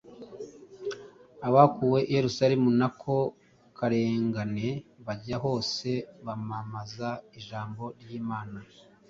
Abakuwe i Yerusalemu n’ako karengane “bajya hose, bamamaza ijambo ry’Imana